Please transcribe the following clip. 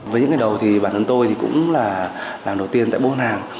với những cái đầu thì bản thân tôi thì cũng là làm đầu tiên tại bốn hàng